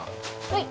はい。